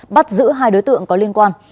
bắt giữ hai đối tượng có liên quan